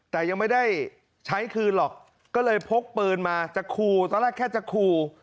แต่ยังไม่ได้ใช้คืนหรอกก็เลยพกปืนมาจะคู่ตอนแรกแค่จะขู่